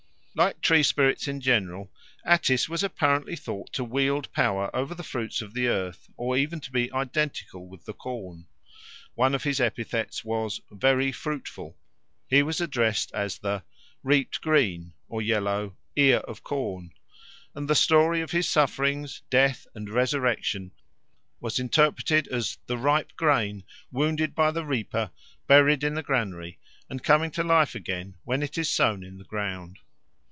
Like tree spirits in general, Attis was apparently thought to wield power over the fruits of the earth or even to be identical with the corn. One of his epithets was "very fruitful": he was addressed as the "reaped green (or yellow) ear of corn"; and the story of his sufferings, death, and resurrection was interpreted as the ripe grain wounded by the reaper, buried in the granary, and coming to life again when it is sown in the ground.